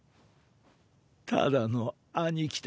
ただの兄貴だ。